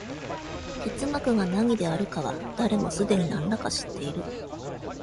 哲学が何であるかは、誰もすでに何等か知っている。